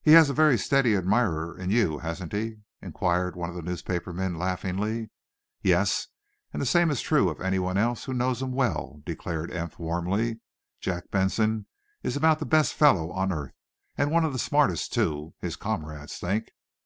"He has a very steady admirer in you, hasn't he?" inquired one of the newspaper men, laughingly.. "Yes; and the same is true of anyone else who knows him well," declared Eph, warmly. "Jack Benson is about the best fellow on earth and one of the smartest, too, his comrades think."